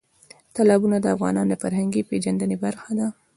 تالابونه د افغانانو د فرهنګي پیژندنې برخه ده.